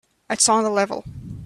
It's on the level.